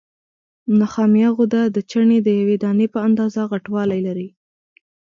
نخامیه غده د چڼې د یوې دانې په اندازه غټوالی لري.